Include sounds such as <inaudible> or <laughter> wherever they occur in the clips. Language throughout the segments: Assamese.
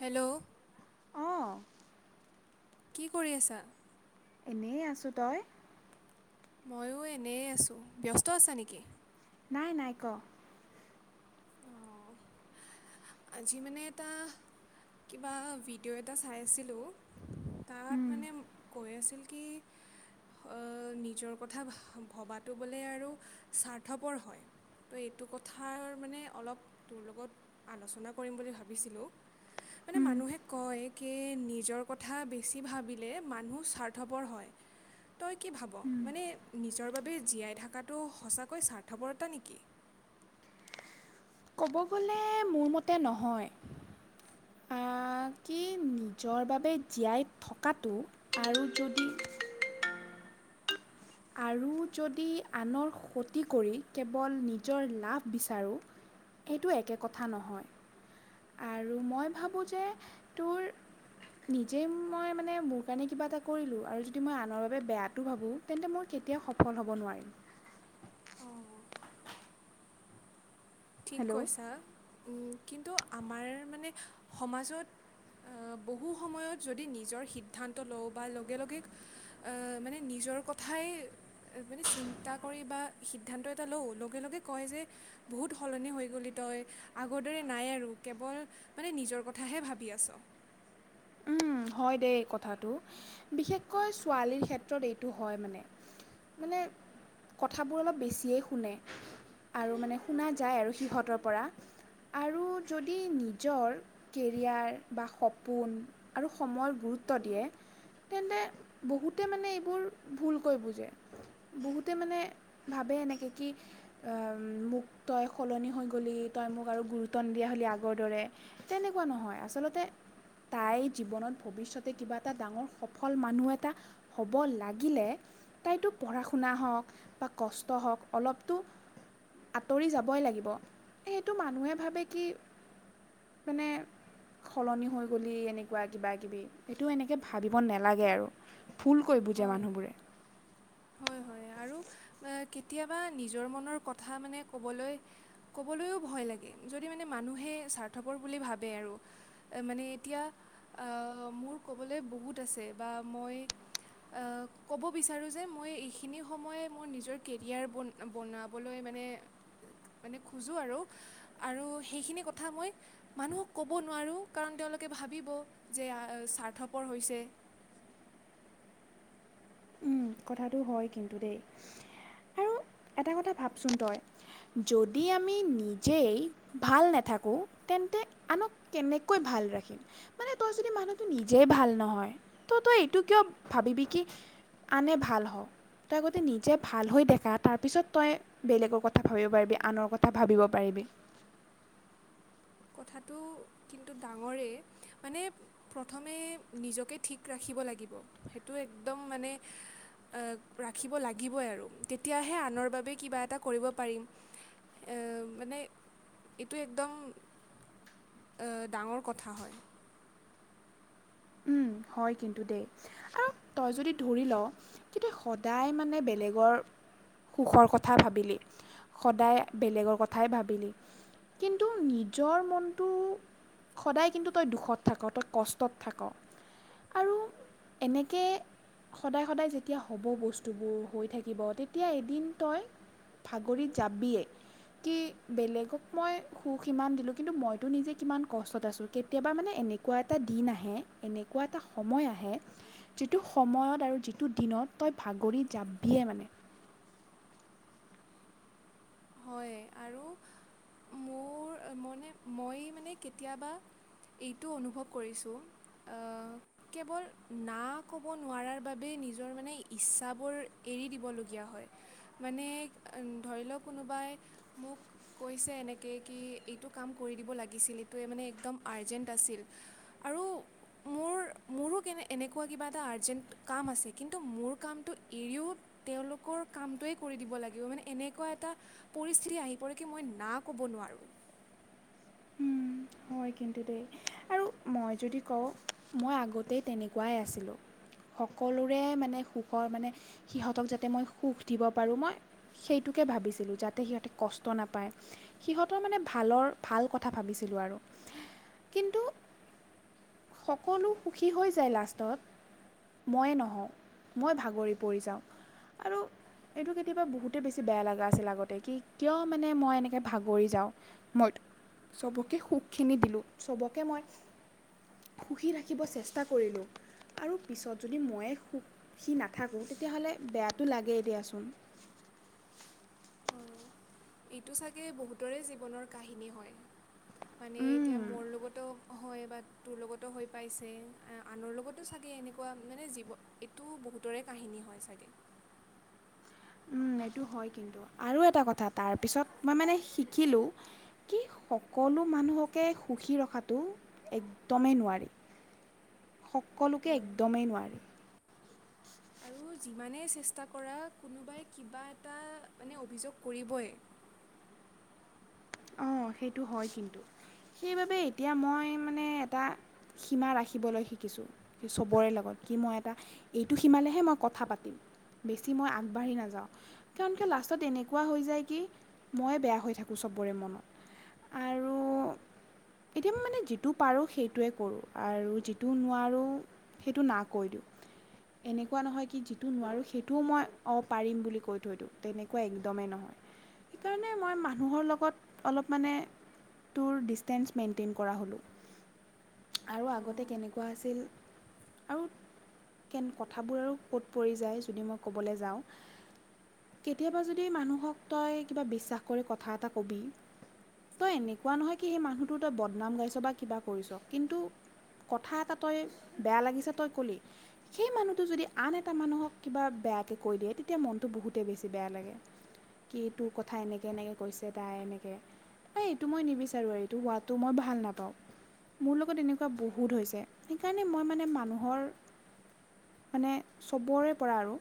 হেল্ল'। অঁ কি কৰি আছা? এনেই আছো, তই? ময়ো এনেই আছো, ব্যস্ত আছা নেকি? নাই নাই ক। অ'। আজি মানে এটা কিবা ভিডিঅ' এটা চাই আছিলো। তাত উম, মানে কৈ আছিল কি অ', নিজৰ কথা ভৱাটো বোলে আৰু স্বাৰ্থপৰ হয়। ত' এইটো কথাৰ মানে অলপ তোৰ লগত আলোচনা কৰিম বুলি ভাবিছিলোঁ। মানে মানুহে কয় কি নিজৰ কথা বেছি ভাবিলে মানুহ স্বাৰ্থপৰ হয়। তই ভাব মানে নিজৰ বাবে জীয়াই থকাটো সঁচাকৈ স্বাৰ্তপৰতা নেকি? ক'ব গ'লে মোৰ মতে নহয়। আ কি নিজৰ বাবে জীয়াই থকাটো আৰু যদি আৰু যদি আনৰ ক্ষতি কৰি কেৱল নিজৰ লাভ বিচাৰো। সেইটো একে কথা নহয় আৰু মই ভাবো যে তোৰ নিজেই মই মানে মোৰ কাৰণে কিবা এটা কৰিলো আৰু যদি মই আনৰ বাবে বেয়াটো ভাবোঁ। তেন্তে মই কেতিয়াও সফল হ'ব নোৱাৰিম। ঠিক হেল্ল' কৈছা, উম কিন্তু আমাৰ সমাজত এ বহু সময়ত যদি নিজৰ সিদ্ধান্ত লওঁ বা লগে লগে এ মানে নিজৰ কথাই মানে চিন্তা কৰি বা সিদ্ধান্ত এটা লওঁ, লগে-লগে কয় যে বহুত বহুত সলনি হৈ গ'লি তই, আগৰ দৰে নাই আৰু কেৱল মানে নিজৰ কথাহে ভাবি আছ। উম, হয় দেই এই কথাটো, বিশেষকৈ ছোৱালীৰ ক্ষেত্ৰত এইটো হয় মানে। মানে কথাবোৰ অলপ বেছিয়েই শুনে, আৰু মানে শুনা যায় আৰু সিহঁতৰ পৰা। আৰু যদি নিজৰ কেৰিয়াৰ বা সপোন আৰু সময়ত গুৰুত্ব দিয়ে তেন্তে বহুতে মানে এইবোৰ ভুলকৈ বুজে। বহুতে মানে ভাবে এনেকে, কি আহ, এম মোক তই সলনি হৈ গ'লি, তই মোক আৰু গুৰুত্ব নিদিয়া হ'লি আগৰ দৰে। তেনেকুৱা নহয়, আচলতে তাই জীবনত ভৱিষ্যতে কিবা এটা ডাঙৰ সফল মানুহ এটা হ'ব লাগিলে তাইতো পঢ়া শুনা হওঁক বা কষ্ট হওঁক, অলপতো আঁতৰি যাবই লাগিব, সেইটো মানুহে ভাবে কি মানে, সলনি হৈ গ'ল এনেক এনেকুৱা কিবা কিবি, এইটো এনেকৈ ভাবিব নালাগে আৰু ভুলকৈ বুজে হয় মানুহবোৰে। হয়, হয় আৰু কেতিয়াবা নিজৰ মনৰ কথা মানে ক'বলৈ ক'বলৈও ভয় লাগে, যদি মানে মানুহে স্বাৰ্থপৰ বুলি ভাবে আৰু। মানে এতিয়া মোৰ ক'বলৈ বহুত আছে বা মই এ ক'ব বিচাৰো যে মই এইখিনি সময়ে মোৰ নিজৰ কেৰিয়াৰ বনা-বনাবলৈ মানে মানে খোজোঁ আৰু, আৰু সেইখিনি কথা মই মানুহক ক'ব নোৱাৰোঁ, কাৰণ তেওঁলোকে ভাবিব যে স্বাৰ্থপৰ হৈছে। উম, কথাটো হয় কিন্তু দেই, আৰু এটা কথা ভাবচোন তই যদি আমি নিজেই ভাল নাথাকোঁ, তেন্তে আনক কেনেকৈ ভাল ৰাখিম? মানে তই যদি মানুহটো নিজেই ভাল নহয়, তই-তই এইটো কিয় ভাবিবি কি আনে ভাল হওঁক, তই আগতে নিজে ভাল হৈ দেখা তাৰপিছত তই বেলেগৰ কথা ভাবিব পাৰিবি, আনৰ কথা ভাবিব পাৰিবি। কথাটো কিন্তু ডাঙৰেই, মানে প্ৰথমে নিজকে ঠিক ৰাখিব লাগিব, সেইটো একদম মানে এ ৰাখিব লাগিবই আৰু তেতিয়াহে আনৰ বাবে কিবা এটা কৰিব পাৰিম। এ মানে এইটো একদম এ ডাঙৰ কথা হয়। উম, হয় কিন্তু দেই। আৰু তই যদি ধৰি ল', তেতিয়া সদায় মানে বেলেগৰ সুখৰ কথা ভাবিলি, সদায় বেলেগৰ কথাই ভাবিলি। কিন্তু নিজৰ মনটো সদায় কিন্তু তই দুখত থাক, তই কষ্টত থাক। আৰু এনেকে সদায়, সদায় যেতিয়া হ'ব বস্তুবোৰ, হৈ থাকিব। তেতিয়া এদিন তই ভাগৰি জাবিয়েই। কি, বেলেগক মই সুখ ইমান দিলোঁ কিন্তু মইতো নিজে কিমান কষ্টত আছোঁ। কেতিয়াবা মানে এনে এনেকুৱা এটা দিন আহে, এনেকুৱা এটা সময় আহে যিটো সময়ত আৰু যিটো দিনত, তই ভাগৰি জাবিয়েই মানে। হয়, আৰু মোৰ অ মনে মানে, মই মানে কেতিয়াবা এইটো অনুভৱ কৰিছোঁ, আ কেৱল না ক'ব নোৱাৰাৰ বাবেই নিজৰ মানে ইচ্ছাবোৰ এৰি দিবলগীয়া হয়। মানে আ ধৰি লওক কোনোবাই মোক কৈছে এনেকে কি এইটো কাম কৰি দিব লাগিছিল এইটোৱে মানে একদম আৰ্জেণ্ট আছিল। আৰু। মোৰ মোৰো কেনে এনেকুৱা কিবা এটা আৰ্জেণ্ট কাম আছে, কিন্তু মোৰ কামটো এৰিও তেওঁলোকৰ কামটোয়ে কৰি দিব লাগিব মানে এনেকুৱা এটা পৰিস্থিতি আহি পৰে কি, মই না ক'ব নোৱাৰো। হয়, কিন্তু দেই, আৰু মই যদি কওঁ মই আগতেই তেনেকুৱাই আছিলোঁ। সকলোৰে মানে সুখৰ মানে, সিহঁতক যাতে মই সুখ দিব পাৰোঁ মই সেইটোকে ভাবিছিলোঁ, যাতে সিহঁতে কষ্ট নাপায়। সিহঁতৰ মানে ভালৰ, ভাল কথা ভাবিছিলোঁ আৰু। কিন্তু, সকলো সুখী হৈ যায় লাষ্টত। মইয়ে নহওঁ, মই ভাগৰি পৰি যাওঁ। আৰু <inaudible> এইটো কেতিয়াবা বহুতেই বেছি বেয়া লাগা আছিল আগতে, কি কিয় মানে মই এনেকে ভাগৰি যাওঁ। মইট চবকে সুখখিনি দিলোঁ চবকে মই সুখী ৰাখিব চেষ্টা কৰিলোঁ। আৰু পিছত যদি মইয়ে সুখি নাথাকোঁ তেতিয়া হ'লে বেয়াটো লাগেই দিয়াচোন। হয়, এইটো চাগে বহুতৰে জীৱনৰ কাহিনী হয়। মানে এতিয়া মৰ লগতো হয় বা তোৰ লগতো হৈ পাইছে এ আনৰ লগতো চাগে এনেকুৱা মানে জীৱ এইটো বহুতৰে কাহিনী হয় চাগে। উম, সেইটো হয় কিন্তু, আৰু এটা কথা তাৰ পিছত মই মানে শিকিলো কি, সকলো মানুহকে সুখী ৰখাটো একদমেই নোৱাৰি। সকলোকে হয় একদমেই নোৱাৰি। আৰু যিমানেই চেষ্টা কৰা কোনোবাই কিবা এটা মানে অভিযোগ কৰিবই। অ', সেইটো হয় কিন্তু, সেইবাবে এতিয়া মই মানে এটা সীমা ৰাখিবলৈ শিকিছোঁ। চবৰে লগত, কি মই এটা এইটো সীমালেহে মই কথা পাতিম। বেছি মই আগবাঢ়ি নাযাওঁ। কাৰণ কিয় লাষ্টত এনেকুৱা হৈ যায় কি মই বেয়া হৈ থাকোঁ চব বৰে মনত আৰু এতিয়া মই মানে যিটো পাৰোঁ, সেইটোৱে কৰোঁ আৰু যিটো নোৱাৰোঁ সেইটো না কৈ দিওঁ। এনেকুৱা নহয় কি, যিটো নোৱাৰোঁ সেইটোও মই অ', পাৰিম বুলি কৈ থৈ দিওঁ তেনেকুৱা একদমেই নহয়। সেইকাৰণে মই মানুহৰ লগত অলপ মানে তোৰ ডিষ্টেঞ্চ মেইনটেইন কৰা হ'লোঁ। আৰু আগতে অঁ কেনেকুৱা আছিল, আউ কেন কথাবোৰ আৰু ক'ত পৰি যায় যদি মই ক'বলে যাওঁ কেতিয়াবা যদি মানুহক তই কিবা বিশ্বাস কৰি কথা এটা কবি তই এনেকুৱা নহয় কি, সেই মানুহটো তই বদনাম গাইছ বা কিবা কৰিছ, কিন্তু কথা এটা তই বেয়া লাগিছে তই ক'লি সেই মানুহটো যদি আন এটা মানুহক কিবা বেয়াকে কৈ দিয়ে তেতিয়া মনটো বহুতেই বেছি বেয়া লাগে কি তোৰ কথা এনেকে এনেকে কৈছে। তাই এনেকে এইটো মই নিবিচাৰোঁ আৰু এইটো হোৱাটো মই ভাল নাপাওঁ। মোৰ লগত এনেকুৱা বহুত হৈছে সেইকাৰণে মই মানে মানুহৰ মানে চবৰে পৰা আৰু।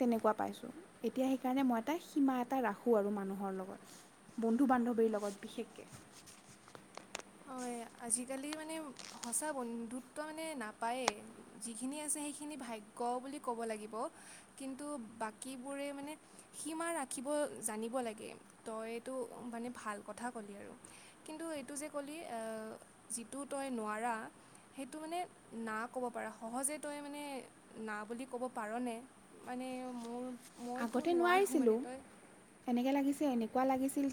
তেনেকুৱা পাইছোঁ এতিয়া সেইকাৰণে মই এটা সীমা এটা ৰাখোঁ আৰু মানুহৰ লগত। বন্ধু বান্ধৱীৰ লগত বিশেষকে। হয়, আজিকালি মানে সঁচা বন্ধুত্ব মানে নাপায়েই। যিখিনি আছে সেইখিনি ভাগ্য বুলি ক'ব লাগিব কিন্তু বাকীবোৰে মানে সীমা ৰাখিব জানিব লাগে তইটো মানে ভাল কথা ক'লি আৰু। কিন্তু এইটো যে ক'লি যিটো তই নোৱাৰা সেইটো মানে না ক'ব পাৰা সহজে তই মানে না বুলি ক'ব পাৰনে? মানে মোৰ মইতো নোৱাৰোঁ মানে তই এনেকে লাগিছে এনেকুৱা লাগিছিল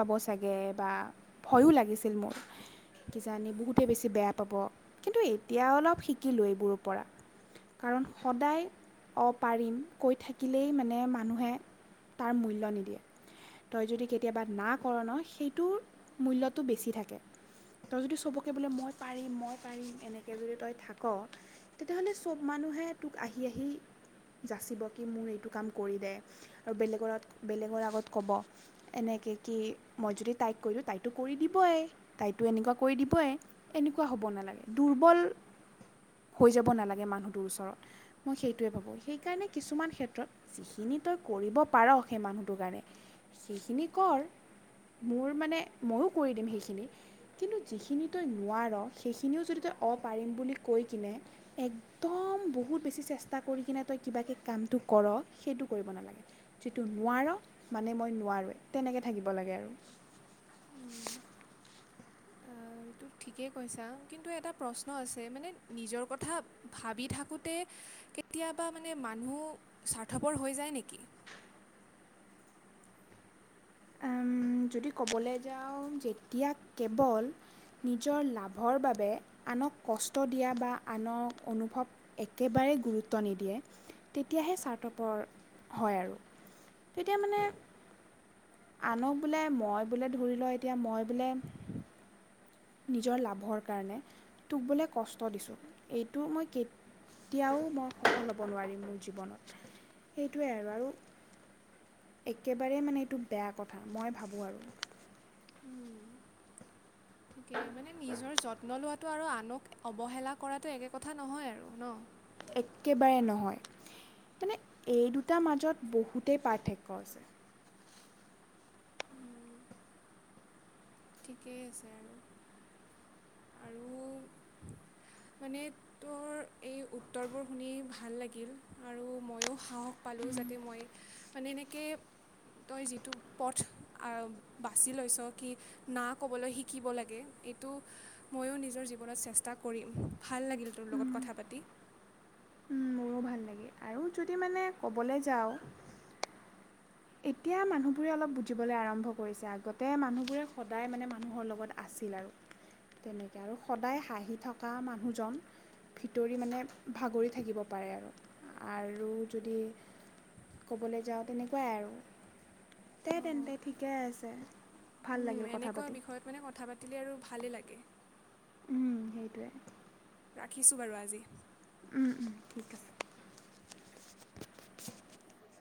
পাব চাগে বা ভয়ো লাগিছিল মোৰ। কিজানি বহুতেই বেছি বেয়া পাব কিন্তু এতিয়া অলপ শিকিলোঁ এইবোৰৰ পৰা। কাৰণ সদায় অ, পাৰিম কৈ থাকি থাকিলেই মানে মানুহে তাৰ মূল্য নিদিয়ে। তই যদি কেতিয়াবা না কৰ ন সেইটোৰ মূল্যটো বেছি থাকে। তই যদি চবকে বোলে মই পাৰিম মই পাৰিম এনেকে যদি তই থাক। তেতিয়াহ'লে চব মানুহে তোক আহি আহি যাচিব। কি মোৰ এইটো কাম কৰি দে আৰু বেলেগ ক'ব এনেকে কি মই যদি তাইক কলোঁ তাইতো কৰি দিবয়ে তাইতো এনেকুৱা কৰি দিবই। এনেকুৱা হ'ব নালাগে, দুৰ্বল হৈ যাব নালাগে মানুহটোৰ ওচৰত মই সেইটোৱে ভাবোঁ সেইকাৰণে কিছুমান ক্ষেত্ৰত যিখিনি তই কৰিব পাৰ সেই মানুহটোৰ কাৰণে সেইখিনি কৰ মোৰ মানে ময়ো কৰি দিম সেইখিনি। কিন্তু যিখিনি তই নোৱাৰ সেইখিনিও যদি তই অ' পাৰিম বুলি কৈ কিনে একদম বহুত বেছি চেষ্টা কৰি কিনে তই কিবাকে কামটো কৰ সেইটো কৰিব নালাগে। যিটো নোৱাৰ মানে মই নোৱাৰোৱেই তেনেকৈ থাকিব লাগে আৰু। অ'। এইটো ঠিকেই কৈছা, কিন্তু এটা প্ৰশ্ন আছে মানে নিজৰ কথা ভাবি থাকোঁতে কেতিয়াবা মানে মানুহ স্বাৰ্থপৰ হৈ যায় নেকি? যদি ক'বলৈ যাওঁ যেতিয়া কেৱল নিজৰ লাভৰ বাবে আনক কষ্ট দিয়া বা আনক অনুভৱ একেবাৰে গুৰুত্ব নিদিয়ে তেতিয়াহে চাৰথপৰ হয় আৰু। তেতিয়া মানে আনক বোলে মই বোলে ধৰি লওঁ এতিয়া মই বোলে নিজৰ লাভৰ কাৰণে টোক বোলে কষ্ট দিছোঁ এইটো মই কে কেতিয়াও মই সফল হ'ব নোৱাৰিম মোৰ জীৱনত সেইটোৱে আৰু একেবাৰে মানে এইটো বেয়া কথা মই ভাবোঁ আৰু। উম। ঠিকে মানে নিজৰ যত্ন লোৱাটো আৰু আনক অৱহেলা কৰাটো একে কথা নহয় আৰু ন? একেবাৰে নহয় মানে এই দুটাৰ মাজত বহুতেই পাৰ্থক্য আছে। ঠিকেই আছে আৰু। আৰু মানে তোৰ এই উত্তৰবোৰ শুনি ভাল লাগিল আৰু ময়ো সাহস পালোঁ যাতে মই মানে এনেকে তই যিটো পথ বাচি লৈছ কি না ক'বলৈ শিকিব লাগে। এইটো ময়ো নিজৰ জীৱনত চেষ্টা কৰিম, ভাল লাগিল তোৰ লগত কথা পাতি। উম, মোৰো ভাল লাগিল। আৰু যদি মানে ক'বলৈ যাওঁ এতিয়া মানুহবোৰে অলপ বুজিবলৈ আৰম্ভ কৰিছে, আগতে মানুহবোৰে সদায় মানে মানুহৰ লগত আছিল আৰু তেনেকৈ, আৰু সদায় হাঁহি থকা মানুহজন ভিতৰি মানে ভাগৰি থাকিব পাৰে আৰু। আৰু যদি ক'বলৈ যাওঁ তেনেকুৱাই আৰু। দে অঁ তেন্তে ঠিকেই আছে। ভাল লাগিল কথা এনেকুৱা পাতি বিষয়ত মানে কথা পাতিলে আৰু ভালেই লাগে। উম, সেইটোৱে। ৰাখিছোঁ বাৰু আজি। উম, উম। ঠিক আছে।